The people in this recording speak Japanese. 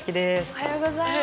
おはようございます。